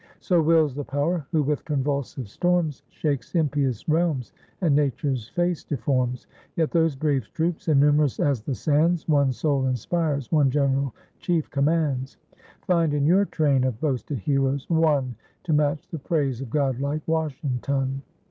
So wills the power who with convulsive storms Shakes impious realms, and nature's face deforms; Yet those brave troops, innum'rous as the sands, One soul inspires, one General Chief commands; Find in your train of boasted heroes, one To match the praise of Godlike Washington.